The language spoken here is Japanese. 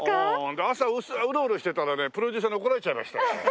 で朝うろうろしてたらねプロデューサーに怒られちゃいました。